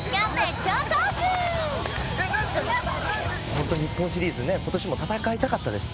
本当日本シリーズね今年も戦いたかったです。